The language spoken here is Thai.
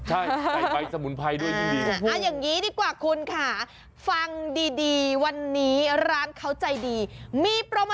ใช่ไก่ใบสมุนไพรด้วยจริง